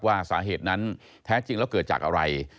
ว่าสาเหตุนั้นแท้จริงแล้วเกิดจากอะไร